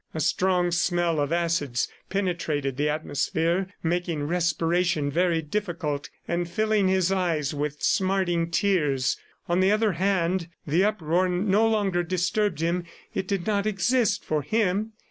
A strong smell of acids penetrated the atmosphere, making respiration very difficult, and filling his eyes with smarting tears. On the other hand, the uproar no longer disturbed him, it did not exist for him.